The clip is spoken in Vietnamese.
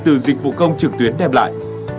từ dịch vụ công trực tuyến đem lại